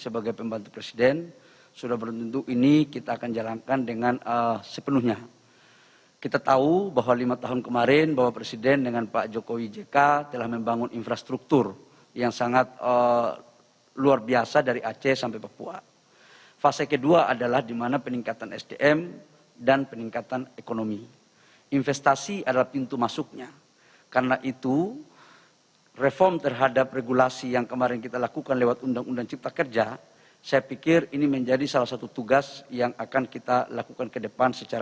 bagaimana cara anda menjaga keamanan dan keamanan indonesia